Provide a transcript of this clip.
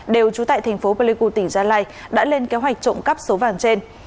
đều trú tại thành phố pleiku tỉnh gia lai đã lên kế hoạch trộm cắp số vàng trên